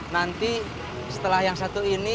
nanti setelah yang satu ini